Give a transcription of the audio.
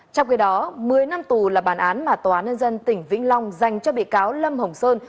trong khi đó một mươi năm tù là bản án mà tòa án nhân dân tỉnh vĩnh long dành cho bị cáo lâm hồng sơn